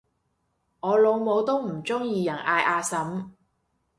我老母都唔鍾意人嗌阿嬸